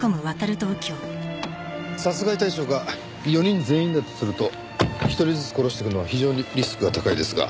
殺害対象が４人全員だとすると１人ずつ殺していくのは非常にリスクが高いですが。